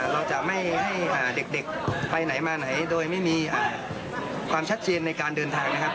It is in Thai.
เราจะไม่ให้เด็กไปไหนมาไหนโดยไม่มีความชัดเจนในการเดินทางนะครับ